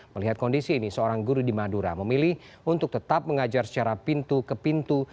melihat kondisi ini seorang guru di madura memilih untuk tetap mengajar secara pintu ke pintu